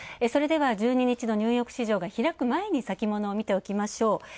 それでは１２日のニューヨーク市場が開く前に見ておきましょう。